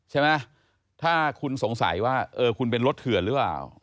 ใช่ไหมถ้าคุณสงสัยว่าเออคุณเป็นรถเถื่อนหรือเปล่า